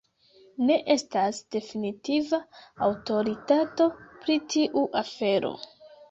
Ne estas definitiva aŭtoritato pri tiu afero.